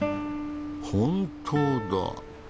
本当だ！